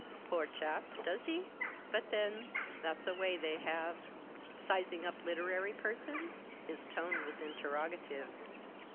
"Poor chap, does he? But then, that's a way they have, sizing up literary persons?" His tone was interrogative.